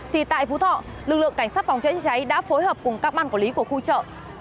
thì tại phú thọ lực lượng cảnh sát phòng cháy cháy đã phối hợp cùng các ban quản lý của khu chợ